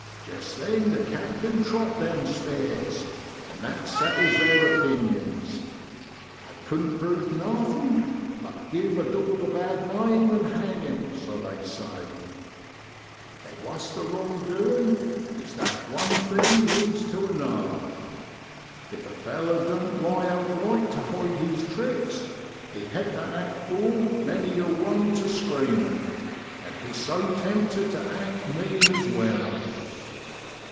Jest then the cat du trot downstairs, and that settles theer opinions. They couldn't prove nothin', but * give a dawg a bad name an' hang 'im,' so they say !* The wust o' wrong duin' is that one thing leads tu another. If a feller doan't DECEMBER IN BROADLAND. 141 lie outright tu hide his tricks, he ha' tu act full many a one tu screen 'em, and he's so tempted tu act mean as well.